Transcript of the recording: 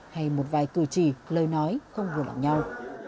hay một vài cử chỉ lời nói không vừa lòng nhau